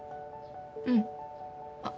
うんあっ